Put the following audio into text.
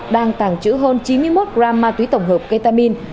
đang tăng chữ hơn chín mươi một gram ma túy tổng hợp ketamin